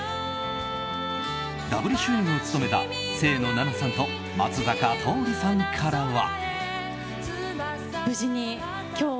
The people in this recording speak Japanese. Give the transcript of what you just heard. ダブル主演を務めた清野菜名さんと松坂桃李さんからは。